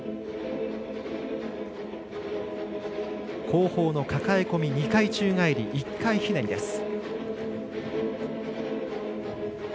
後方のかかえ込み２回宙返り１回ひねりです。